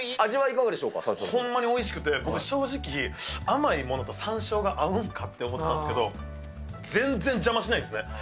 味はいかがでしょうか、ほんまにおいしくて、僕、正直、甘いものとさんしょうが合うんかって思ってたんですけど、全然邪魔しないっすね。